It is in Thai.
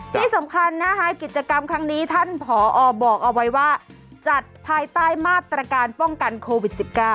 ที่สำคัญนะคะกิจกรรมครั้งนี้ท่านผอบอกเอาไว้ว่าจัดภายใต้มาตรการป้องกันโควิด๑๙